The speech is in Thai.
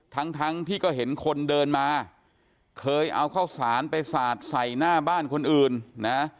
ทั้งทั้งที่ก็เห็นคนเดินมาเคยเอาข้าวสารไปสาดใส่หน้าบ้านคนอื่นนะ